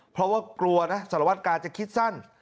เพราะว่ากลัวนะสารวัตกาจะคิดสั้น